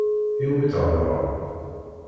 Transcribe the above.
Iwumi theddṛeḍ?